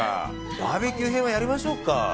バーベキュー編やりましょうか。